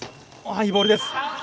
いいボールです。